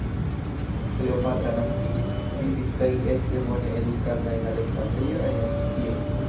Kleopatra naskiĝis, vivis kaj estis bone edukata en Aleksandrio en Egiptio.